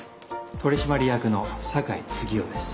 取締役の酒井次雄です。